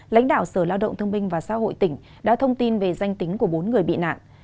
lãnh đạo sở lao động thương binh và xã hội tỉnh đã thông tin về danh tính của bốn người bị nạn